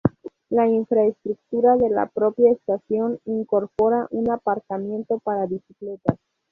La infraestructura de la propia estación incorpora un aparcamiento para bicicletas.